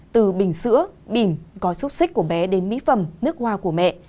từ bình sữa bìm có xúc xích của bé đến mỹ phẩm nước hoa của mẹ